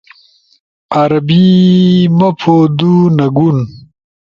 عربی، مپُودُونگُون